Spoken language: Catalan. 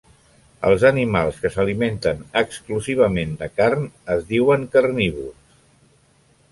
Els animals que s'alimenten exclusivament de carn es diuen carnívors.